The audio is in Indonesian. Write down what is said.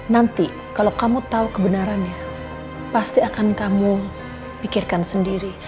nanti kalau kamu tahu kebenarannya pasti akan kamu pikirkan sendiri